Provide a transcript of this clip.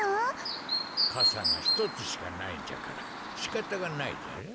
かさがひとつしかないんじゃからしかたがないじゃろう。